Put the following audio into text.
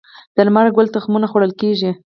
د لمر ګل تخمونه خوړل کیږي